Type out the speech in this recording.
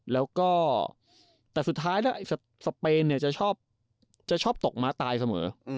แล้วก็แต่สุดท้ายแล้วสเปนจะชอบตกม้าตายเสมอ